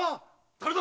誰だ⁉